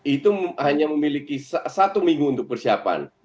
itu hanya memiliki satu minggu untuk persiapan